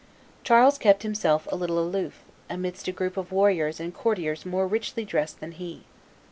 Charles kept himself a little aloof, amidst a group of warriors and courtiers more richly dressed than he.